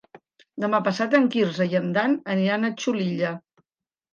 Demà passat en Quirze i en Dan aniran a Xulilla.